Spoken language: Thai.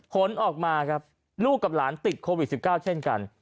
ผลออกมาครับลูกกับหลานติดโควิด๑๙เช่นกัน